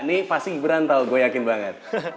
ini pasti gibran tau gue yakin banget